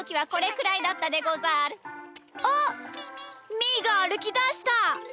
みーがあるきだした！